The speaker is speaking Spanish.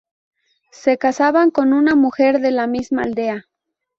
Se casaban con una mujer de la misma aldea.